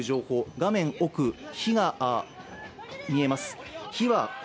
画面奥、火が見えます。